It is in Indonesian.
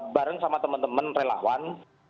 bareng sama teman teman relawan